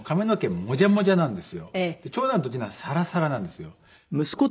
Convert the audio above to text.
長男と次男サラサラなんですよ。